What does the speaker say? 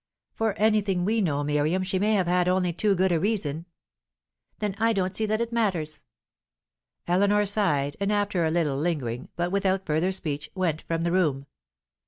"For anything we know, Miriam, she may have had only too good a reason." "Then I don't see that it matters." Eleanor sighed, and, after a little lingering, but without further speech, went from the room.